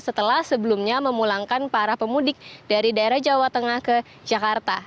setelah sebelumnya memulangkan para pemudik dari daerah jawa tengah ke jakarta